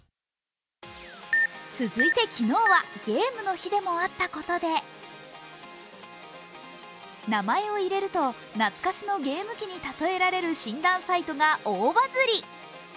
続いて、昨日はゲームの日でもあったことで名前を入れると、懐かしのゲーム機に例えられる診断サイトが大バズり。